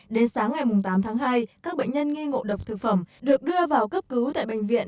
đến sáng ngày tám tháng hai các bệnh nhân nghi ngộ độc thực phẩm được đưa vào cấp cứu tại bệnh viện